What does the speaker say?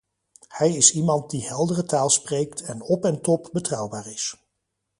Hij is iemand die heldere taal spreekt en op en top betrouwbaar is.